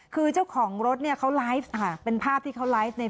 คือเจ้าของรถเนี่ยเขาไลฟ์ค่ะเป็นภาพที่เขาไลฟ์ใน